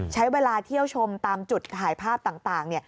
ใช้เวลาเที่ยวชมตามจุดถ่ายภาพต่าง